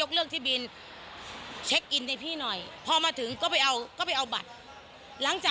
คิดอะไรถึงโพสต์อย่างนั้น